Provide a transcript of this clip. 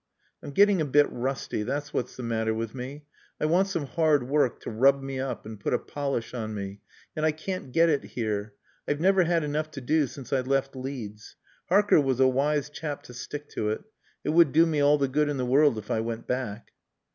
"I'm getting a bit rusty. That's what's the matter with me. I want some hard work to rub me up and put a polish on me and I can't get it here. I've never had enough to do since I left Leeds. Harker was a wise chap to stick to it. It would do me all the good in the world if I went back."